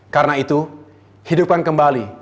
karena itu hidupkan kembali